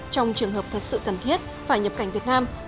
trong trường hợp thật sự cần thiết phải nhập cảnh việt nam